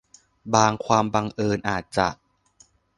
บางความบังเอิญอาจจะ